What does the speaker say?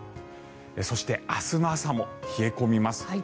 そして、明日の朝も冷え込みます。